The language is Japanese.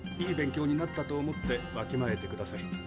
いい勉強になったと思ってわきまえてください。